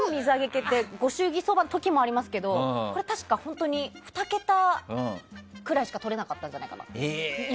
ご祝儀相場の時もありますけど確か、本当に２桁くらいしかとれなかったんじゃないかな。